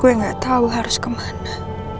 gue gak tahu harus kemana